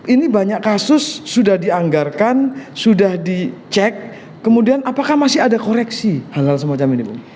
ini banyak kasus sudah dianggarkan sudah dicek kemudian apakah masih ada koreksi hal hal semacam ini